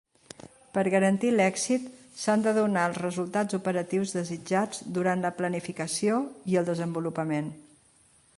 Per garantir l'èxit, s'han de donar els resultats operatius desitjats durant la planificació i el desenvolupament.